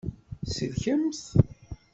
Tselkemt.